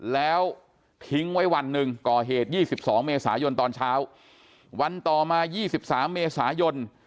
แล้วทิ้งไว้วันหนึ่งก่อเหตุ๒๒เมษายนตอนเช้าวันต่อมา๒๓เมษายน